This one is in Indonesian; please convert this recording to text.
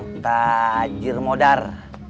orang tajir modar